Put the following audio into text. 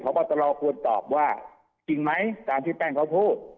พบตรควรตอบว่าจริงไหมตามที่แป้งเขาพูด